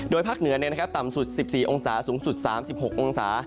ภาคเหนือต่ำสุด๑๔องศาสูงสุด๓๖องศา